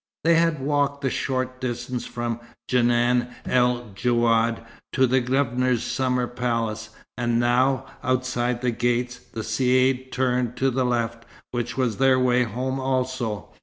They had walked the short distance from Djenan el Djouad to the Governor's summer palace; and now, outside the gates, the caïd turned to the left, which was their way home also.